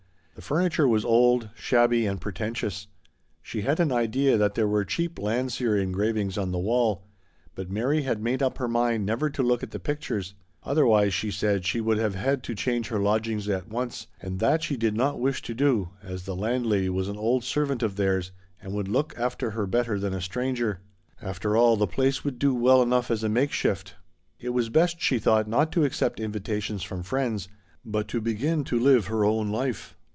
The furniture was old, shabby, and pretentious, and she had an idea that there were cheap Landseer engravings on the wall, but Mary had made up her mind never to look at the pictures ; otherwise, she said, she would have MARY TRIES TO LIVE HER LIFE. Ill had to change her lodgings at once, and that she did not wish to do, as the landlady was an old servant of theirs, and would look after her better than a stranger. After all, it would do well enough as a make shift. And it was best, she thought, not to accept invitations from friends, but to begin to live her own life.